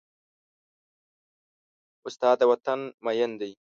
استاد د وطن مین دی.